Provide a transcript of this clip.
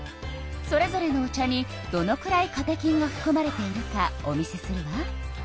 それぞれのお茶にどのくらいカテキンがふくまれているかお見せするわ。